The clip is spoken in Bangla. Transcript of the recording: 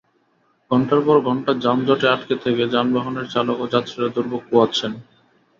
ঘণ্টার পর ঘণ্টা যানজটে আটকে থেকে যানবাহনের চালক ও যাত্রীরা দুর্ভোগ পোহাচ্ছেন।